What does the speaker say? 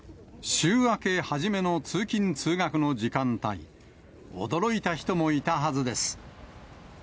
週明けはじめの通勤・通学の時間帯、驚いた人もいたはずです。